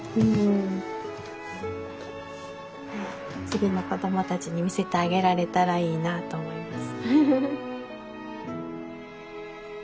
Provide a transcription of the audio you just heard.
次の子どもたちに見せてあげられたらいいなと思います。